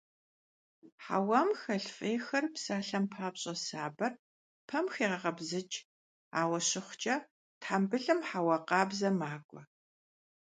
Хьэуам хэлъ фӀейхэр, псалъэм папщӀэ сабэр, пэм хегъэкъэбзыкӀ, ауэ щыхъукӀэ, тхьэмбылым хьэуа къабзэ макӀуэ.